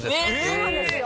そうなんですよ。